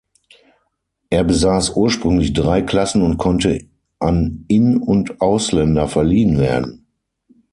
Er besaß ursprünglich drei Klassen und konnte an In- und Ausländer verliehen werden.